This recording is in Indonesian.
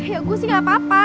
ya gue sih gak apa apa